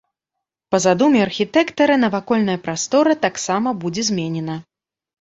Па задуме архітэктара, навакольная прастора таксама будзе зменена.